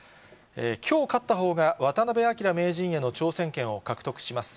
きょう勝ったほうが渡辺明名人への挑戦権を獲得します。